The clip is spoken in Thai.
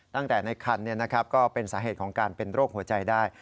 ตั้งแต่ในคันก็เป็นสาเหตุของการเป็นโรคหัวใจได้